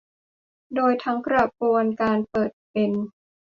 โดยทั้งกระบวนการเปิดเป็น